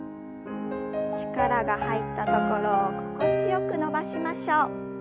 力が入ったところを心地よく伸ばしましょう。